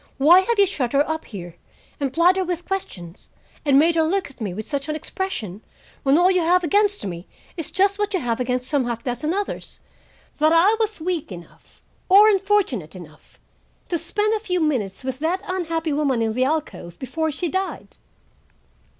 Why have you shut her up here, and plied her with questions, and made her look at me with such an expression, when all you have against me is just what you have against some half dozen others,—that I was weak enough, or unfortunate enough, to spend a few minutes with that unhappy woman in the alcove before she died?"